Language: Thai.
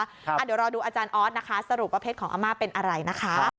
เดี๋ยวรอดูอาจารย์ออสนะคะสรุปว่าเพชรของอาม่าเป็นอะไรนะคะ